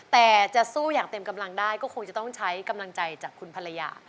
แต่จะสู้อย่างเต็มกำลังได้ก็คงจะต้องใช้กำลังใจจากคุณภรรยา